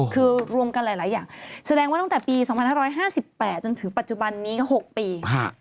คือรวมกันหลายอย่างแสดงว่าตั้งแต่ปี๒๕๕๘จนถึงปัจจุบันนี้ก็๖ปี